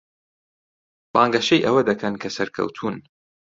بانگەشەی ئەوە دەکەن کە سەرکەوتوون.